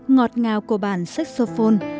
ngọt ngào của bản saxophone